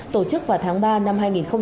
tổ chức vào tháng ba năm hai nghìn một mươi chín